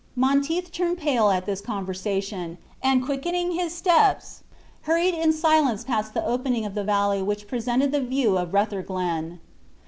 Monteith turned pale at this conversation; and quickening his steps, hurried in silence past the opening of the valley which presented the view of Rutherglen.